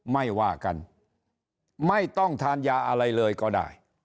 ไม่ว่ากันไม่ต้องทานยาอะไรเลยก็ได้